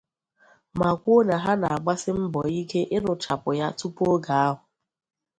ma kwuo na ha na-agbasi mbọ ike ịrụchapụ ya tupu oge ahụ